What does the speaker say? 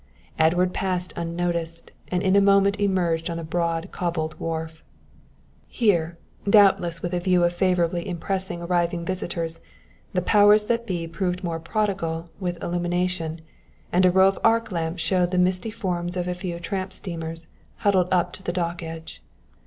Edward passed unnoticed, and in a moment emerged on the broad cobbled wharf. Here, doubtless with a view of favourably impressing arriving visitors, the Powers that Be proved more prodigal with illumination, and a row of arc lamps showed the misty forms of a few tramp steamers huddled up to the dock edge.